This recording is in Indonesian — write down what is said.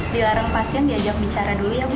dilarang pasien diajak bicara dulu ya bu